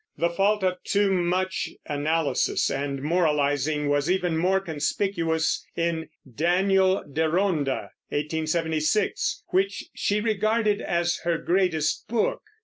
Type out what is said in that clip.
The fault of too much analysis and moralizing was even more conspicuous in Daniei Deronda (1876), which she regarded as her greatest book.